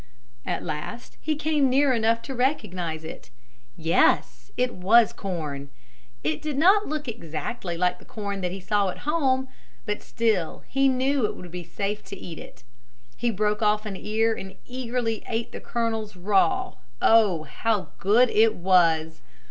At last he came near enough to recognize it. Yes, it was corn. It did not look exactly like the corn that he saw at home, but still he knew it would be safe to eat it. He broke off an ear and eagerly ate the kernels raw. Oh, how good it was!